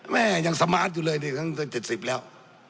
แม่ยังสมาสต์อยู่เลยครั้ง๗๐แล้ว